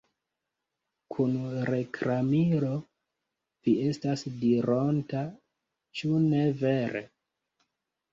Kun reklamilo, vi estas dironta, ĉu ne vere!